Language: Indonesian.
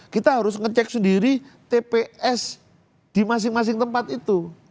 kita harus ngecek sendiri tps di masing masing tempat itu